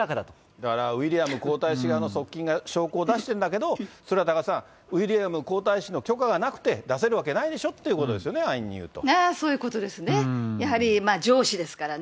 だからウィリアム皇太子側の側近が証拠を出してんだけど、それは多賀さん、ウィリアム皇太子の許可がなくて出せるわけないでしょってことでそういうことですね、やはり上司ですからね。